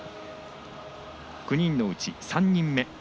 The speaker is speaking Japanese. ９人のうち３人目。